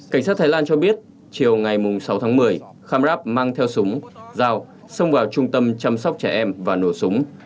cảnh sát thái lan cho biết chiều ngày sáu tháng một mươi kham rap mang theo súng dao xông vào trung tâm chăm sóc trẻ em và nổ súng